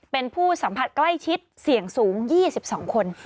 เป็นผู้สัมผัสใกล้ชิดเสี่ยงสูง๒๒คน